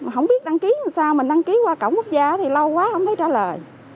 không biết đăng ký làm sao mình đăng ký qua cổng quốc gia thì lâu quá không thấy trả lời